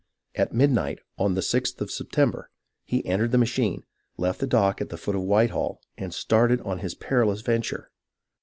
At midnight, on the 6th of September, he entered the machine, left the dock at the foot of Whitehall, and started on his perilous venture.